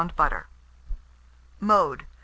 butter. Mode.